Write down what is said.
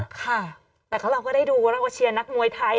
ค่ะแต่เราก็ได้ดูว่าเราก็เชียร์นักมวยไทย